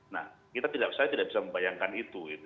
nah saya tidak bisa membayangkan itu